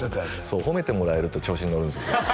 そう褒めてもらえると調子に乗るんですよ